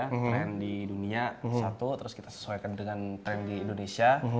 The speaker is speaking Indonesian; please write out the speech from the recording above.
trend di dunia satu terus kita sesuaikan dengan tren di indonesia